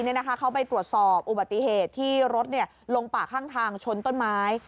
เขาไปตรวจสอบอุบัติเหตุที่รถลงป่าข้างทางชนต้นไม้